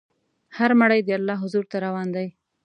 هر مړی د الله حضور ته روان دی.